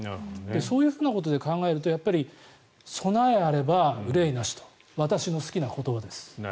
そういうふうなことで考えると備えあれば憂いなしと私の好きな言葉です。